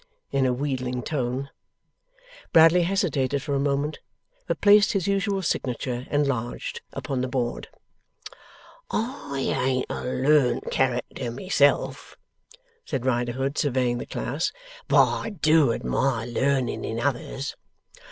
(In a wheedling tone.) Bradley hesitated for a moment; but placed his usual signature, enlarged, upon the board. 'I ain't a learned character myself,' said Riderhood, surveying the class, 'but I do admire learning in others.